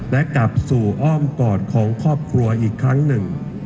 และกลับสู่อ้อมกอดของครอบครัวอีกครั้งหนึ่ง